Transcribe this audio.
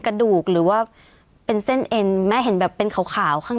กระดูกหรือว่าเป็นเส้นเอ็นแม่เห็นแบบเป็นขาวข้าง